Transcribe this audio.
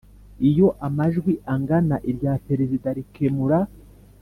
Iyo amajwi angana irya Perezida rikemura